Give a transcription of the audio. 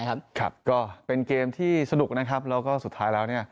ก็เป็นเกมที่สนุกและสุดท้ายแล้ว